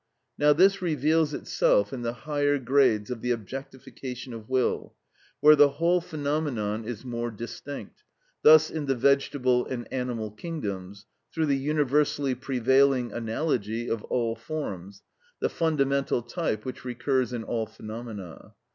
Now this reveals itself in the higher grades of the objectification of will, where the whole phenomenon is more distinct, thus in the vegetable and animal kingdoms, through the universally prevailing analogy of all forms, the fundamental type which recurs in all phenomena.